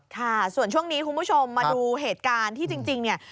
ค่ะส่วนช่วงนี้คุณผู้ชมมาดูเหตุการณ์ที่จริงเนี่ย